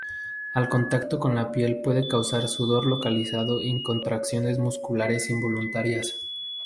Al contacto con la piel puede causar sudor localizado y contracciones musculares involuntarias.